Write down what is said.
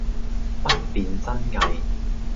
不辨真偽